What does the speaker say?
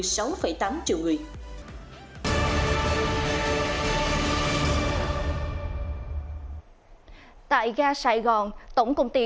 tại ga sài gòn tổng công ty đánh giá truyền thống của thành phố hồ chí minh